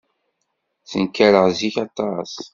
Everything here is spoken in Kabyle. Ttenkareɣ zik aṭas.